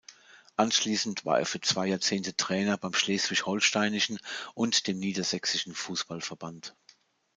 Anschließend war er für zwei Jahrzehnte Trainer beim Schleswig-Holsteinischen und dem Niedersächsischen Fußballverband.